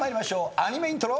アニメイントロ。